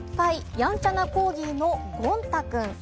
やんちゃなコーギーのゴン太くん。